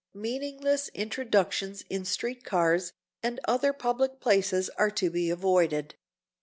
Meaningless introductions in street cars or other public places are to be avoided.